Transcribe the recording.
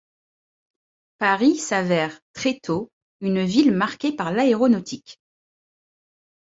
Paris s'avère, très tôt, une ville marquée par l'aéronautique.